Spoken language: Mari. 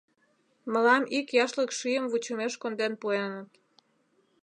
“Мылам ик яшлык шӱйым вучымеш конден пуэныт.